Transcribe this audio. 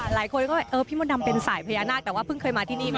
หลายคนก็เออพี่มดดำเป็นสายพญานาคแต่ว่าเพิ่งเคยมาที่นี่มา